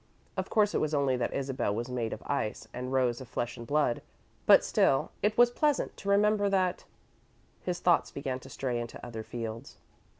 Of course it was only that Isabel was made of ice and Rose of flesh and blood, but still, it was pleasant to remember that His thoughts began to stray into other fields.